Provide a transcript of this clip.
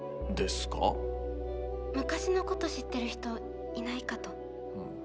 昔のこと知ってる人いないかと。